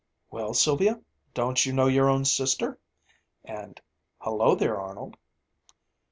"Well, Sylvia, don't you know your own sister?" and "Hello there, Arnold."